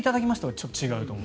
ちょっと違うと思う。